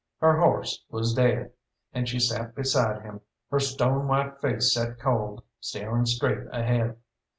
Her horse was dead, and she sat beside him, her stone white face set cold, staring straight ahead.